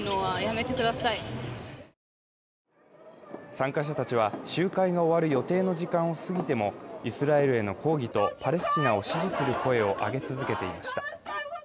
参加者たちは、集会が終わる予定の時間が過ぎてもイスラエルへの抗議とパレスチナを支持する声を上げ続けていました。